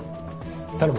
頼む。